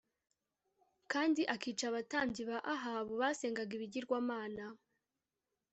kandi akica abatambyi ba Ahabu basengaga ibigirwamana